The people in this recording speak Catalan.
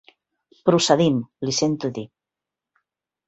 Procedim, li sento dir.